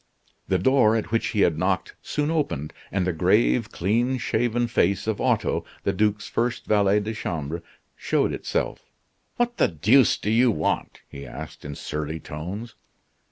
The door at which he had knocked soon opened, and the grave, clean shaven face of Otto, the duke's first valet de chambre, showed itself. "What the deuce do you want?" he asked in surly tones.